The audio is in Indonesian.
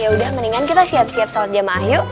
ya udah mendingan kita siap siap sholat jamaah yuk